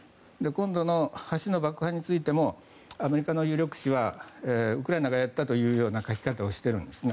今度の橋の爆破についてもアメリカの有力紙はウクライナがやったというような書き方をしているんです。